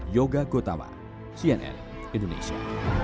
yoga gotawa cnn indonesia